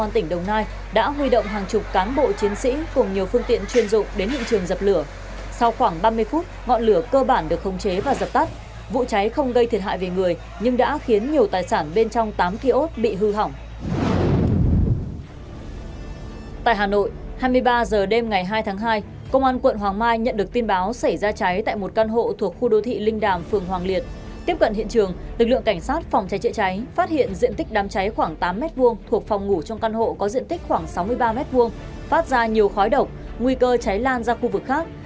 tiếp cận hiện trường lực lượng cảnh sát phòng cháy trịa cháy phát hiện diện tích đám cháy khoảng tám m hai thuộc phòng ngủ trong căn hộ có diện tích khoảng sáu mươi ba m hai phát ra nhiều khói độc nguy cơ cháy lan ra khu vực khác